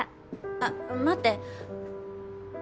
あ待って。